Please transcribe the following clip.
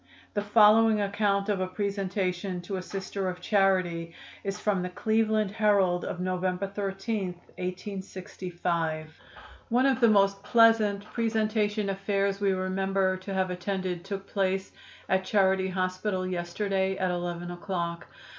The following account of a presentation to a Sister of Charity is from the Cleveland Herald of November 13, 1865: "One of the most pleasant presentation affairs we remember to have attended took place at Charity Hospital yesterday, at 11 o'clock.